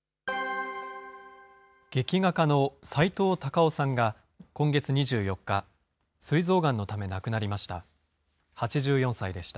劇画家のさいとう・たかをさんが今月２４日、すい臓がんのため亡くなりました。